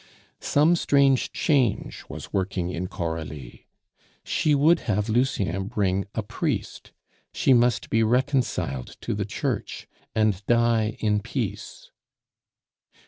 Some strange change was working in Coralie. She would have Lucien bring a priest; she must be reconciled to the Church and die in peace.